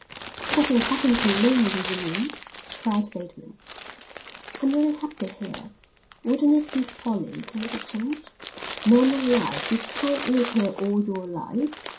"What in heaven's name do you mean?" cried Bateman. "I'm very happy here. Wouldn't it be folly to make a change?" "Man alive, you can't live here all your life.